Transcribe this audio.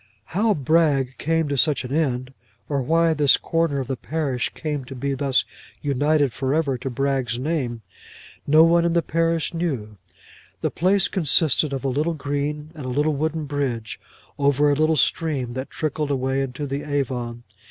How Bragg came to such an end, or why this corner of the parish came to be thus united for ever to Bragg's name, no one in the parish knew. The place consisted of a little green, and a little wooden bridge, over a little stream that trickled away into the Avon.